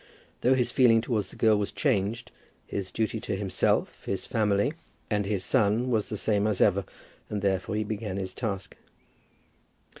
Though his feeling towards the girl was changed, his duty to himself, his family, and his son, was the same as ever, and therefore he began his task.